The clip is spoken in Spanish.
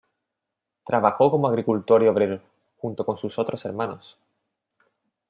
Trabajó como agricultor y obrero, junto con sus otros hermanos.